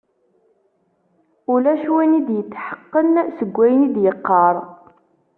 Ulac win i d-yetḥeqqen seg wayen i d-yeqqar.